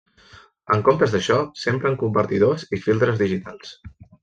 En comptes d'això s'empren convertidors i filtres digitals.